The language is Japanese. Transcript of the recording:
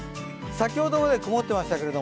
先ほど曇っていましたけど、